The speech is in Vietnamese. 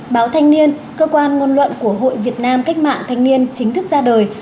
báo thanh niên cơ quan ngôn luận của hội việt nam cách mạng thanh niên chính thức ra đời